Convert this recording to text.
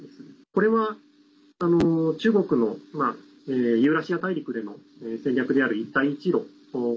これは中国のユーラシア大陸での戦略である一帯一路。